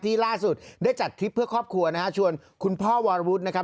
ล่าสุดได้จัดทริปเพื่อครอบครัวนะฮะชวนคุณพ่อวรวุฒินะครับ